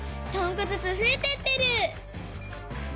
３こずつふえてってる！